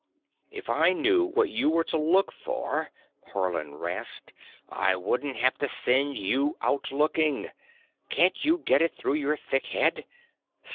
"If I knew what you were to look for," Haarland rasped, "I wouldn't have to send you out looking! Can't you get it through your thick head?